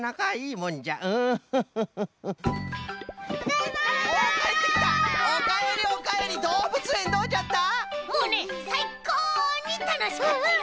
もうねさいこうにたのしかったよ！